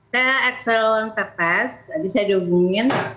saya ekselon pepes jadi saya dihubungin